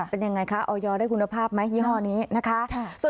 เป็นยังไงคะออยได้คุณภาพไหมยี่ห้อนี้นะคะ